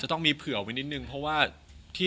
จะรักเธอเพียงคนเดียว